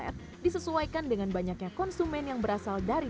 serta cita taman yang dipasarkan tipe sesuai dengan banyaknya konsumen yang berasal dari